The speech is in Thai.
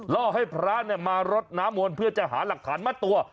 ล่อให้พระมารดนามวลเพื่อที่จะหาหลักฐานมาตัว